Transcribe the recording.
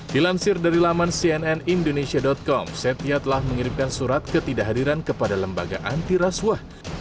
dilansir dari laman cnnindonesia com setia telah mengirimkan surat ketidakhadiran kepada lembaga antiraswa